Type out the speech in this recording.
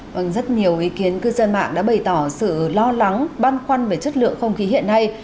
vâng rất nhiều ý kiến cư dân mạng đã bày tỏ sự lo lắng băn khoăn về chất lượng không khí hiện nay